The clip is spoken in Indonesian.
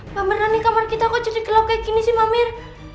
mamir nih kamar kita kok jadi gelap kayak gini sih mamir